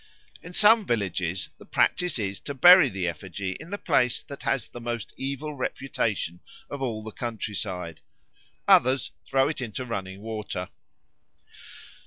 In some villages the practice is to bury the effigy in the place that has the most evil reputation of all the country side: others throw it into running water.